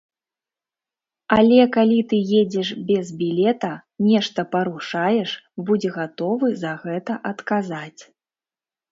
Але калі ты едзеш без білета, нешта парушаеш, будзь гатовы за гэта адказаць.